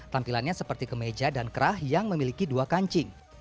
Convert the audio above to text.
tampilannya seperti kemeja dan kerah yang memiliki dua kancing